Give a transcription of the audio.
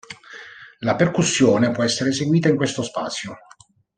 La percussione può essere eseguita in questo spazio.